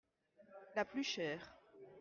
La plus chère.